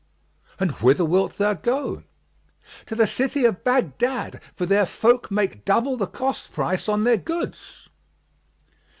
"And whither wilt thou go?" "To the city of Baghdad; for there folk make double the cost price on their goods."